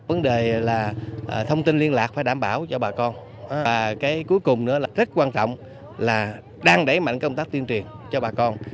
vấn đề là thông tin liên lạc phải đảm bảo cho bà con cái cuối cùng nữa là rất quan trọng là đang đẩy mạnh công tác tuyên truyền cho bà con